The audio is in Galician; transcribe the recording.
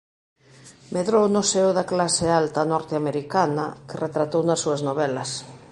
Medrou no seo da clase alta norteamericana que retratou nas súas novelas.